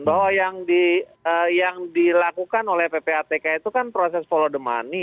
bahwa yang dilakukan oleh ppatk itu kan proses follow the money